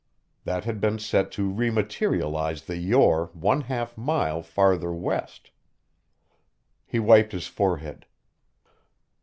That had been set to re materialize the Yore one half mile farther west. He wiped his forehead.